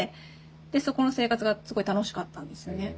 でそこの生活がすごい楽しかったんですよね。